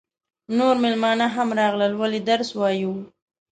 نور مېلمانه هم راغلل ولې درس وایو.